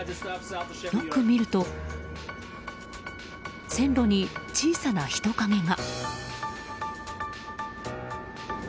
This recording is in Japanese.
よく見ると、線路に小さな人影が。